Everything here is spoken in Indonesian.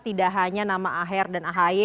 tidak hanya nama aher dan ahy